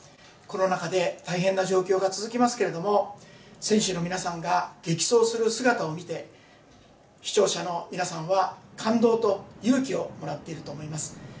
コロナ禍で大変な状況が続きますけれども、選手の皆さんが激走する姿を見て視聴者の皆さんは感動と勇気をもらっていると思います。